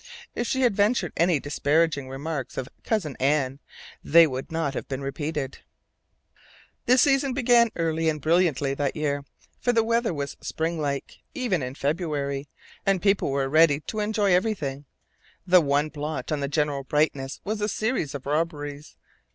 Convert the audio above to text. If she had ventured any disparaging remarks of "Cousin Anne," they would not have been repeated. The season began early and brilliantly that year, for the weather was springlike, even in February; and people were ready to enjoy everything. The one blot on the general brightness was a series of robberies.